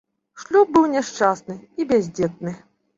Шлюб быў няшчасны і бяздзетны.